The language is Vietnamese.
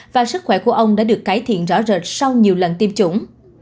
và sức khỏe của ông đã được cải thiện rõ rệt sau nhiều lần tiêm chủng